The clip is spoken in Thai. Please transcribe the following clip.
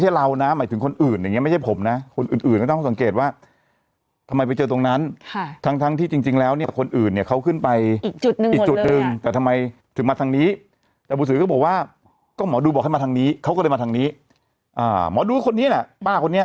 เหมือนเข้าทรงหรออะไรอย่างนี้ผมก็ไม่รู้ผมก็ไม่ได้เป็นญาติ